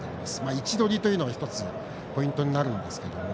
位置取りというのが一つ、ポイントになるんですけども。